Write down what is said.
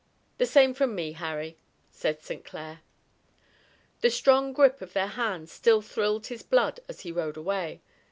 "The same from me, Harry," said St. Clair. The strong grip of their hands still thrilled his blood as he rode away.